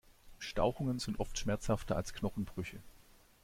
Stauchungen sind oft schmerzhafter als Knochenbrüche.